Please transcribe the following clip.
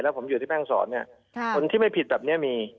แล้วผมอยู่ที่แม่งสอนเนี่ยคนที่ไม่ผิดแบบเนี่ยมี